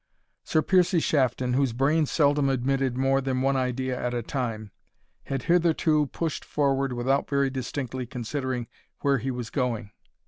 Sir Piercie Shafton, whose brain seldom admitted more than one idea at a time, had hitherto pushed forward without very distinctly considering where he was going.